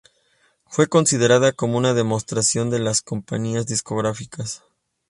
Fue considerada como una demostración de las compañías discográficas.